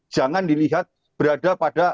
jangan dilihat berada pada